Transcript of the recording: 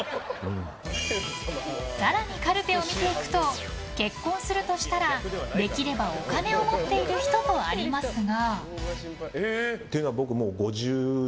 更に、カルテを見ていくと結婚するとしたらできればお金を持っている人とありますが。